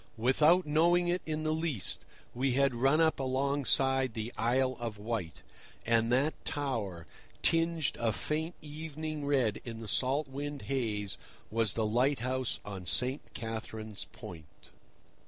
Without knowing it in the least, we had run up alongside the Isle of Wight, and that tower, tinged a faint evening red in the salt wind haze, was the lighthouse on St. Catherine's Point.